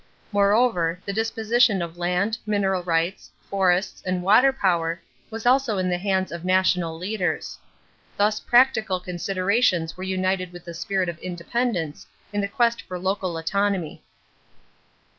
Moreover the disposition of land, mineral rights, forests, and water power was also in the hands of national leaders. Thus practical considerations were united with the spirit of independence in the quest for local autonomy.